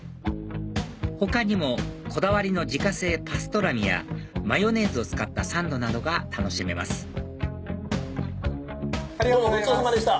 他にもこだわりの自家製パストラミやマヨネーズを使ったサンドなどが楽しめますどうもごちそうさまでした。